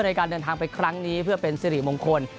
ในการเดินทางไปครั้งนี้เพื่อเป็นสิริมงคล